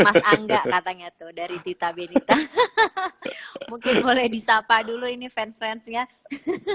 ah nggak katanya tuh dari tita benita hahaha musik boleh disapa dulu ini fans fans nya for